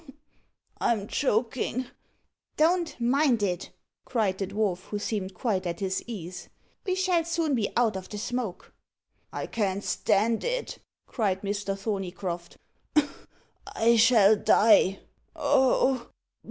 I'm choking!" "Don't mind it," cried the dwarf, who seemed quite at his ease. "We shall soon be out of the smoke." "I can't stand it," cried Mr. Thorneycroft; "I shall die. Oh!